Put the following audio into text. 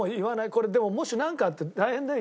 これでももしなんかあったら大変だよ